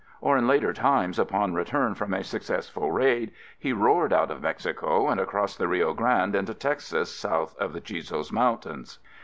Or in later times, upon return from a successful raid, he roared out of Mexico and across the Rio Grande into Texas south of the Chisos Mountains.